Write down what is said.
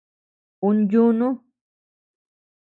Ún yunu.